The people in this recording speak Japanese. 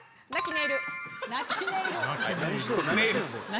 ネイル・何？